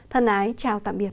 thân ái chào tạm biệt